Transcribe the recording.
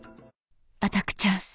「アタックチャンス！」